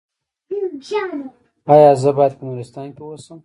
ایا زه باید په نورستان کې اوسم؟